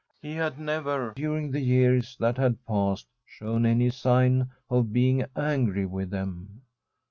He had never, during the years that had passed, shown any sign of being ang^y with them.